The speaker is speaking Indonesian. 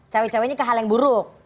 cawe cawe nya ke hal yang buruk